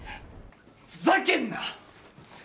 ふざけんな！